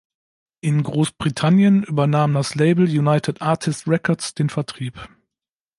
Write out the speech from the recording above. In Großbritannien übernahm das Label United Artists Records den Vertrieb.